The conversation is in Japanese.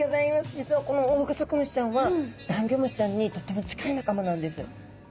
実はこのオオグソクムシちゃんはダンギョムシちゃんにとっても近い仲間なんです。